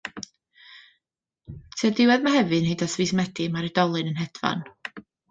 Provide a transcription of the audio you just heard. Tua diwedd Mehefin hyd at fis Medi mae'r oedolyn yn hedfan.